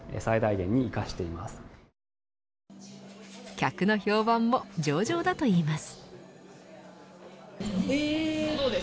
客の評判も上々だといいます。